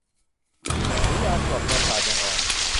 หรือยากล่อมประสาทอย่างอ่อน